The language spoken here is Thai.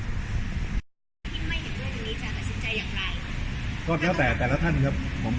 ที่ไม่เห็นเรื่องอันนี้จะกระเสนจใจอย่างไร